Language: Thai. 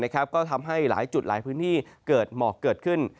ก็ทำให้หลายจุดหลายพื้นที่เกิดหมอกเกิดขึ้น